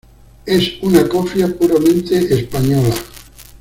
Es una cofia puramente española.